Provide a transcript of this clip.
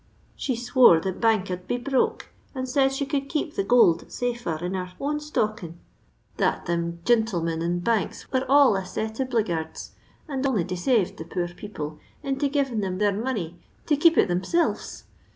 She swore the bank 'ud be broke, and said she could keep the goold safer in her own stockin ; that thim gintlemin in banks were all a set of blickards, and only desaved the poor people into givin them their money to keep it thim lelves.